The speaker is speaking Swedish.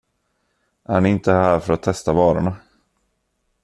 Är ni inte här för att testa varorna?